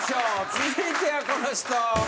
続いてはこの人。